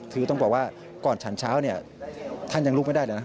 คือต้องบอกว่าก่อนฉันเช้าท่านยังลุกไม่ได้นะครับ